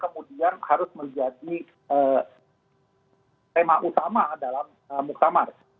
kemudian harus menjadi tema utama dalam muktamar